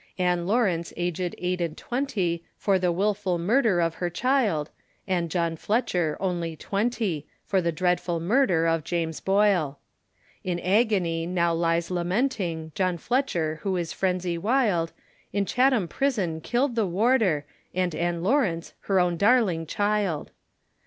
Ann Lawrence aged eight and twenty, For the wilful murder of her child, And John Fletcher, only twenty, For the dreadful murder of James Boyle. In agony, now lies lamenting, John Fletcher, who is frenzy wild, In Chatham prison killed the warder, And Ann Lawrence her own darling child.